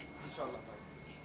insya allah pak